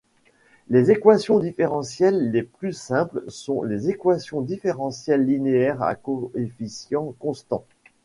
Les équations différentielles les plus simples sont les équations différentielles linéaires à coefficients constants.